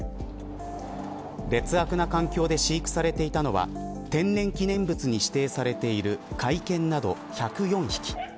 劣悪な環境で飼育されていたのは天然記念物に指定されている甲斐犬など１０４匹。